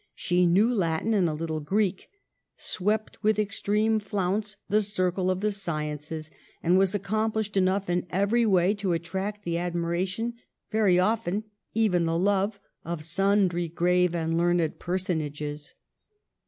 She knew Latin and a little Greek, " swept with extreme flounce the circle of the sciences/' and was accomplished enough in every way to attract the admiration, very often even the love, of sun dry grave and learned personages.